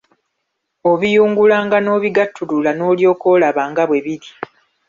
Obiyungululanga n'obigattulula n'olyoka olaba nga bwe biri.